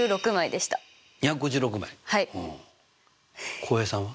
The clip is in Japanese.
浩平さんは？